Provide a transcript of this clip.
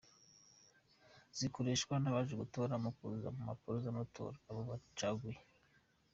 Zikoreshwa n’abaje gutora mu kuzuza ku mpapuro z’atamatora abo bacaguye.